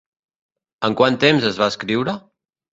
En quant temps es va escriure?